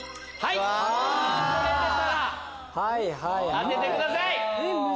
当ててください！